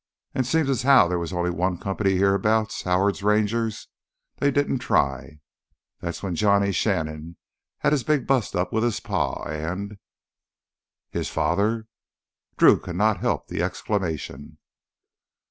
An' seem' as how they was only one company hereabouts—Howard's Rangers—they didn't try. That's when Johnny Shannon had his big bust up with his pa an'—" "His father!" Drew could not help that exclamation.